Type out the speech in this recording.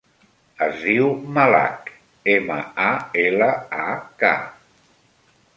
Es diu Malak: ema, a, ela, a, ca.